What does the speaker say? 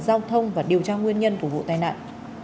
giao thông và điều tra nguyên nhân của vụ tai nạn